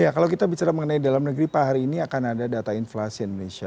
ya kalau kita bicara mengenai dalam negeri pak hari ini akan ada data inflasi indonesia